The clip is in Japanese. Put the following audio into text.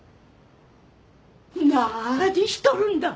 何しとるんだ！